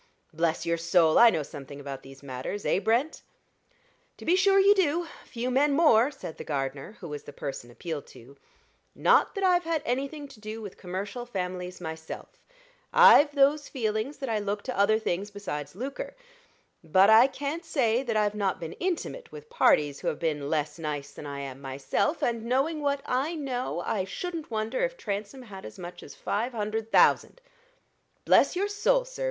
Bless your soul! I know something about these matters, eh, Brent?" "To be sure you do few men more," said the gardener, who was the person appealed to. "Not that I've had anything to do with commercial families myself. I've those feelings that I look to other things besides lucre. But I can't say that I've not been intimate with parties who have been less nice than I am myself; and knowing what I know, I shouldn't wonder if Transome had as much as five hundred thousand. Bless your soul, sir!